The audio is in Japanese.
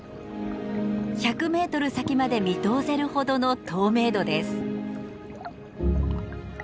１００メートル先まで見通せるほどの透明度です。